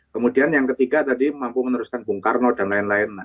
kemudian yang ketiga tadi mampu meneruskan bung karno dan lain lain